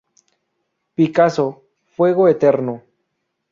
Picasso: ¡Fuego Eterno!".